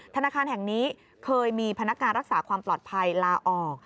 ธนาคารแห่งนี้เคยมีพนักงานรักษาความปลอดภัยลาออก